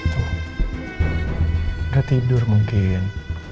tidak tidur mungkin